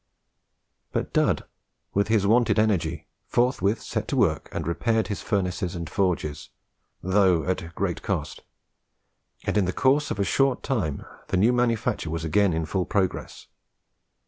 But Dud, with his wonted energy, forthwith set to work and repaired his furnaces and forges, though at great cost; and in the course of a short time the new manufacture was again in full progress.